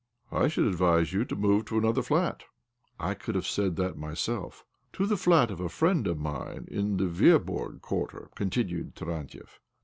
" I should advise you to move to another flat." " I could have said that myself." " To the flat of a friend of mine in the Veaborg Quarter," continued Tarantiev.